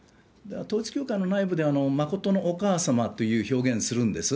統一教会の内部で、真のお母様という表現をするんです。